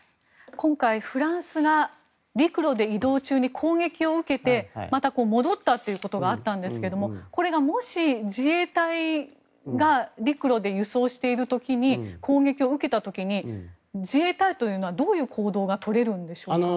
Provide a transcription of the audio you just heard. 今回、フランスが陸路で移動中に攻撃を受けてまた戻ったということがあったんですがこれがもし、自衛隊が陸路で輸送している時に攻撃を受けた時に自衛隊というのはどういう行動が取れるんでしょうか？